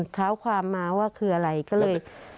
เท้าความมาว่าคืออะไรก็เลย